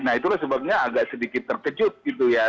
nah itulah sebabnya agak sedikit terkejut gitu ya